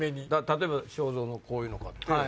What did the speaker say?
例えば章造のこういうのかて。